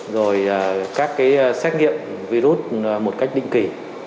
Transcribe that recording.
rồi các xét nghiệm virus một cách định kỷ